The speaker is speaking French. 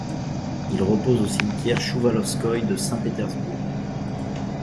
Il repose au cimetière Chouvalovskoïe de Saint-Pétersbourg.